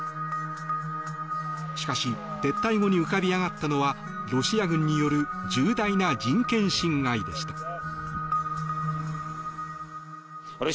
しかし撤退後に浮かび上がったのはロシア軍による重大な人権侵害でした。